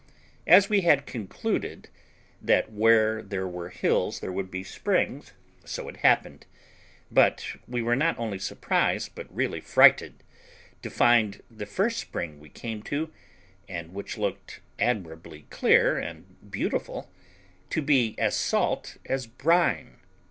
As we had concluded, that where there were hills there would be springs, so it happened; but we were not only surprised, but really frighted, to find the first spring we came to, and which looked admirably clear and beautiful, to be salt as brine.